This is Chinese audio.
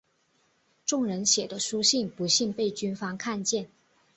众人写的书信不幸被军方看见。